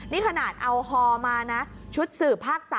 นี่ขนาดเอาฮอมานะชุดสืบภาค๓